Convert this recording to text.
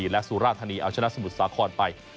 และสุราธานีเอาชนะสมุทรสาครไป